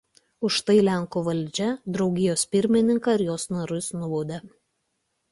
Už tai lenkų valdžia draugijos pirmininką ir jos narius nubaudė.